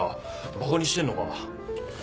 バカにしてんのか？